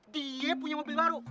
dia punya mobil baru